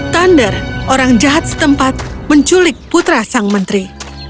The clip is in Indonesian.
thunder orang jahat setempat menculik putra sang menteri